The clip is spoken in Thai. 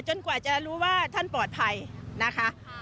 กว่าจะรู้ว่าท่านปลอดภัยนะคะ